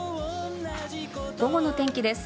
午後の天気です。